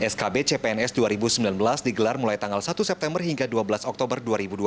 skb cpns dua ribu sembilan belas digelar mulai tanggal satu september hingga dua belas oktober dua ribu dua puluh